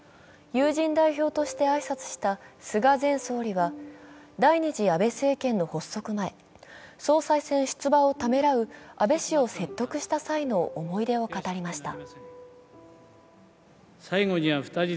友人代表として挨拶した菅前総理は、第２次安倍内閣の発足前、総裁選出馬をためらう安倍氏を説得した際の思い出を語りました。